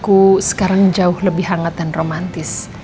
aku sekarang jauh lebih hangat dan romantis